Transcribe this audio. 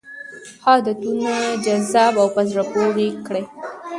ښه عادتونه جذاب او په زړه پورې کړئ.